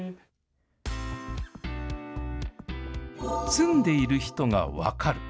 住んでいる人が分かる。